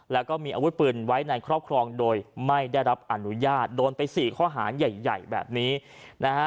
แล้วก็มีอาวุธปืนไว้ในครอบครองโดยไม่ได้รับอนุญาตโดนไปสี่ข้อหาใหญ่ใหญ่แบบนี้นะฮะ